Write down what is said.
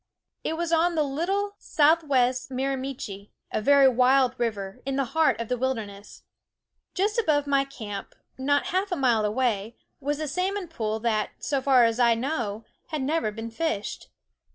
It was on the Little Sou'west Mirimichi, a very wild river, in the heart of the wilder ness. Just above my camp, not half a mile away, was a salmon pool that, so far as I know, had never been fished.